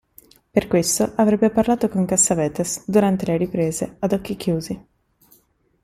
Per questo, avrebbe parlato con Cassavetes, durante le riprese, ad occhi chiusi.